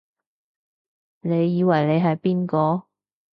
你以為你係邊個？